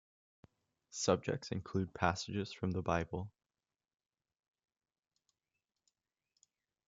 Subjects include passages from the Bible.